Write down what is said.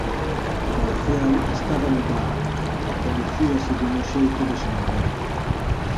O Marcial estaba animado, coñecíaselle no xeito de se mover.